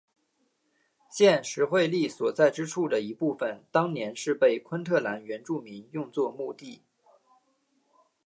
现时惠利所在之处的一部分当年是被昆特兰原住民用作墓地。